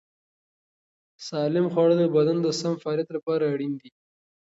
سالم خواړه د بدن د سم فعالیت لپاره اړین دي.